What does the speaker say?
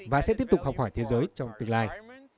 và sẽ tiếp tục học hỏi thế giới trong tương lai